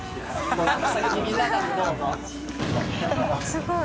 すごい。